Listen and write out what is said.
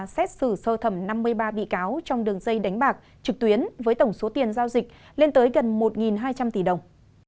xét xử sơ thẩm năm mươi ba bị cáo trong đường dây đánh bạc trực tuyến với tổng số tiền giao dịch lên tới gần một hai trăm linh tỷ đồng